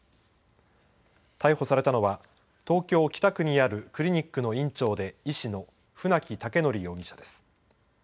逮捕されたのは東京北区にあるクリニックの院長で医師の船木威徳容疑者です。